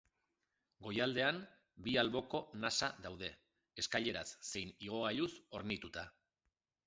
Goialdean bi alboko nasa daude, eskaileraz zein igogailuz hornituta.